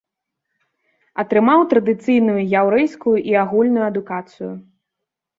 Атрымаў традыцыйную яўрэйскую і агульную адукацыю.